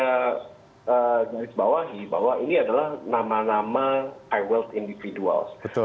kita garisbawahi bahwa ini adalah nama nama high wealth individuals